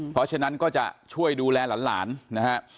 เพราะฉะนั้นก็จะช่วยดูแลหลานนะฮะ